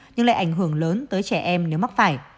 nhưng lại ảnh hưởng lớn tới trẻ em nếu mắc phải